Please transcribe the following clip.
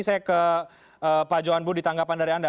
saya ke pak johan bu di tanggapan dari anda